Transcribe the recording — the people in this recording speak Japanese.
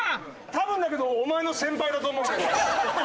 多分だけどお前の先輩だと思うけど。